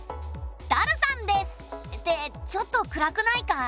ダルさんです！ってちょっと暗くないかい？